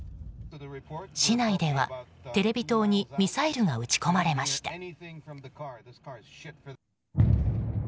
市内ではテレビ塔にミサイルが撃ち込まれました。